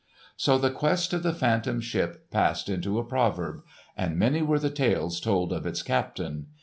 So the quest of the Phantom Ship passed into a proverb, and many were the tales told of its captain.